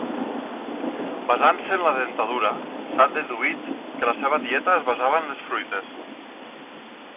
Basant-se en la dentadura s'ha deduït que la seva dieta es basava en les fruites.